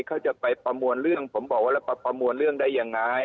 เขาจะไปประมวลเรื่องผมบอกว่าเราประมวลเรื่องได้ยังไง